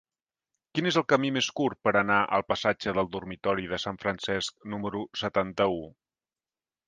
Quin és el camí més curt per anar al passatge del Dormitori de Sant Francesc número setanta-u?